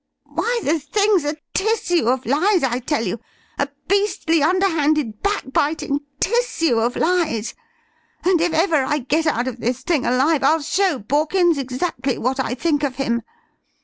Why, the thing's a tissue of lies, I tell you a beastly, underhanded, backbiting tissue of lies, and if ever I get out of this thing alive, I'll show Borkins exactly what I think of him.